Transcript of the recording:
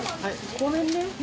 ごめんね。